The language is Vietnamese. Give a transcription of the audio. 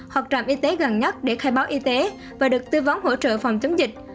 hoặc trạm y tế gần nhất để khai báo y tế và được tư vấn hỗ trợ phòng chống dịch